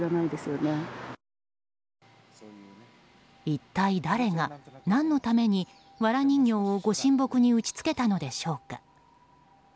一体、誰が何のためにわら人形を御神木に打ち付けたのでしょうか。